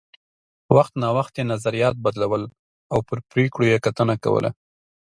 وخت نا وخت یې نظریات بدلول او پر پرېکړو یې کتنه کوله